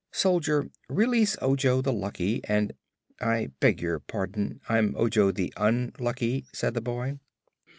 Soldier, release Ojo the Lucky and " "I beg your pardon; I'm Ojo the Unlucky," said the boy.